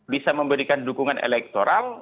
bisa memberikan dukungan elektoral